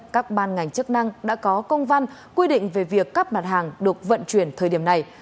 các ban ngành chức năng đã có công văn quy định về việc các mặt hàng được vận chuyển thời điểm này